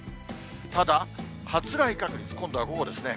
ただ、発雷確率、今度は午後ですね。